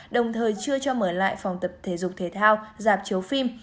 đồng thời chưa cho mở lại phòng tập thể dục thể thao giảm chiếu phim